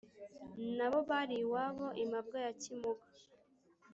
na bo bari iwabo i mabwa ya kimuga.